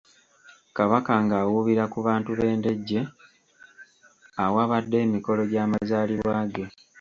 Kabaka ng’awuubira ku bantu b’e Ndejje awabadde emikolo gy’amazaalibwa ge.